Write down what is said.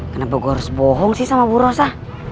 kenapa gue harus bohong sih sama bu rosa